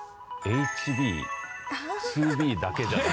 ＨＢ・２Ｂだけじゃない。